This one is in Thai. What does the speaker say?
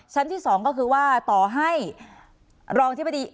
ชั้นที่สองก็คือว่าต่อให้รองทฤษฎี